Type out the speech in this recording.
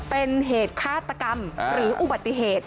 เป็นเหตุฆาตกรรมหรืออุบัติเหตุ